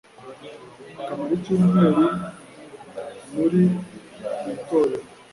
akamara icyumweru muri buri torero